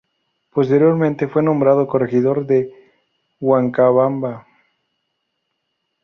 Posteriormente fue nombrado corregidor de Huancabamba.